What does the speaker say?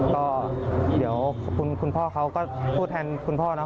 ก็เดี๋ยวคุณพ่อเขาก็พูดแทนคุณพ่อนะ